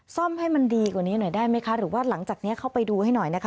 ซ่อมให้มันดีกว่านี้หน่อยได้ไหมคะหรือว่าหลังจากนี้เข้าไปดูให้หน่อยนะคะ